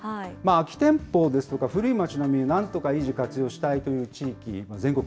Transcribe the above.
空き店舗ですとか、古い町並みをなんとか維持・活用したいという地域、全国